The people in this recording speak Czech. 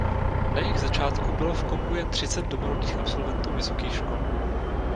Na jejich začátku bylo v Kongu jen třicet domorodých absolventů vysokých škol.